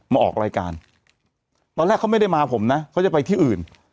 มาออกรายการตอนแรกเขาไม่ได้มาผมนะเขาจะไปที่อื่น